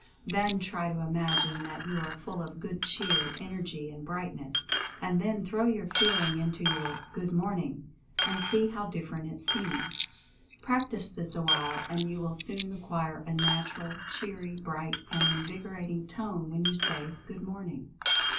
Then try to imagine that you are full of good cheer, energy, and brightness, and then throw your feeling into your "good morning," and see how different it .seems. Practice this awhile and you will soon acquire a natural, cheery, bright, and invigorating tone when you say "good morning."